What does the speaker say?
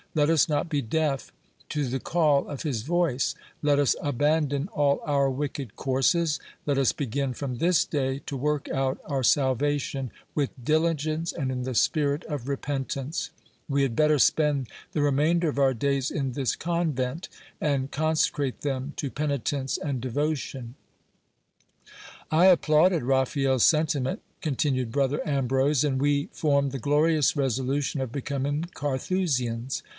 Let us not be deaf to the call of his voice ; let us abandon all our wicked courses, let us begin from this day to work out our salvation with diligence and in the spirit of repentance : we had better spend the re mainder of our days in this convent, and consecrate them to penitence and devotion. I applauded Raphael's sentiment, continued brother Ambrose ; and we formed the glorious resolution of becoming Carthusians..